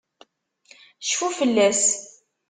Cfu fell-as!